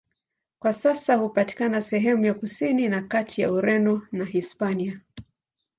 Kwa sasa hupatikana sehemu ya kusini na kati ya Ureno na Hispania.